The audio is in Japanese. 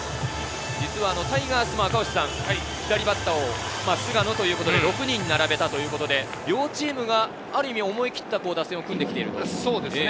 タイガースも赤星さん、左バッターを菅野ということで６人並べたということで両チームがある意味、思い切った打線を組んできている。